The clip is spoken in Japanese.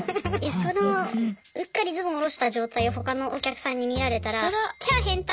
そのうっかりズボンを下ろした状態を他のお客さんに見られたら「きゃあ変態！